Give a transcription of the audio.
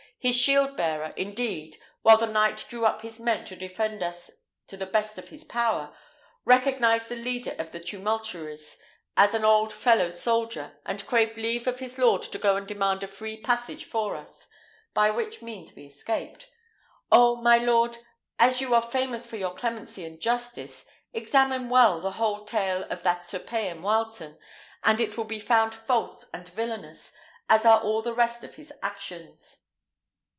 His shield bearer, indeed, while the knight drew up his men to defend us to the best of his power, recognised the leader of the tumultuaries as an old fellow soldier, and craved leave of his lord to go and demand a free passage for us, by which means we escaped. Oh! my lord, as you are famous for your clemency and justice, examine well the whole tale of that Sir Payan Wileton, and it will be found false and villanous, as are all the rest of his actions."